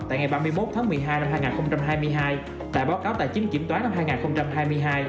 tại ngày ba mươi một tháng một mươi hai năm hai nghìn hai mươi hai tại báo cáo tài chính kiểm toán năm hai nghìn hai mươi hai